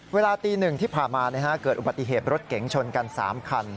เวลาตี๑ที่ผ่านมาเกิดอุบัติเหตุรถเก๋งชนกัน๓คัน